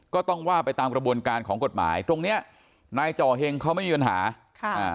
ก็ต้องว่าไปตามกระบวนการของกฎหมายตรงเนี้ยนายจ่อเห็งเขาไม่มีปัญหาค่ะอ่า